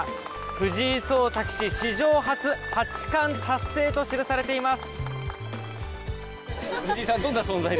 藤井聡太棋士、史上初八冠達成と記されています。